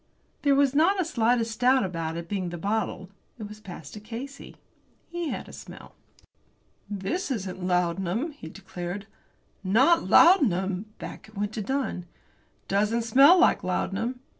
There was not the slightest doubt about its being the bottle. It was passed to Casey. He had a smell. "This isn't laudanum," he declared. "Not laudanum!" Back it went to Dunn. "It doesn't smell like laudanum."